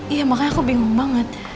iya makanya aku bingung banget